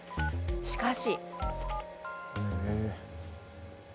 しかし。